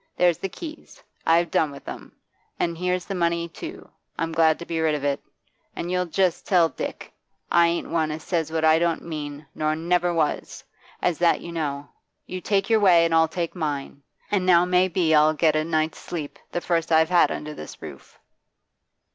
There's the keys, I've done with 'em; an' here's the money too, I'm glad to be rid of it. An' you'll just tell Dick. I ain't one as says what I don't mean, nor never was, as that you know. You take your way, an' I'll take mine. An' now may be I'll get a night's sleep, the first I've had under this roof.